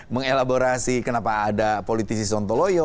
mengelaborasi kenapa ada politisi sontoloyo